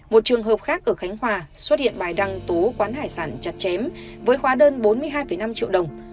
một trường hợp khác ở khánh hòa xuất hiện bài đăng tú quán hải sản chặt chém với hóa đơn bốn mươi hai năm triệu đồng